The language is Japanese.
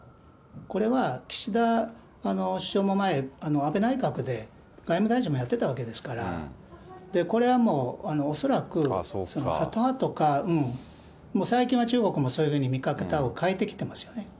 これは岸田首相も前、安倍内閣で外務大臣もやってたわけですから、これはもう、恐らく、ハト派とか、もう最近は中国もそういうふうに見方を変えてきてますよね。